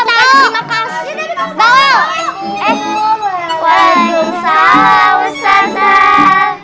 bukan yang terima kasih